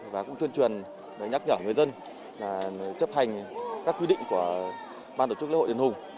và cũng tuyên truyền nhắc nhở người dân chấp hành các quy định của ban tổ chức lễ hội đền hùng